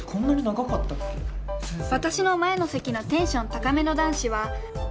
私の前の席のテンション高めの男子は。